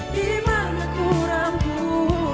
di mana kurangku